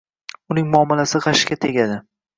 Uning muomalasi g‘ashga tegadi.